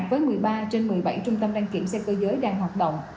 với một mươi ba trên một mươi bảy trung tâm đăng kiểm xe cơ giới đang hoạt động